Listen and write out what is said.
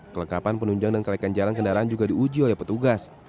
kelengkapan penunjang dan kelekan jalan kendaraan juga diuji oleh petugas